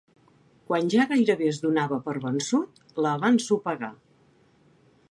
Quan ja gairebé es donava per vençut, la va ensopegar.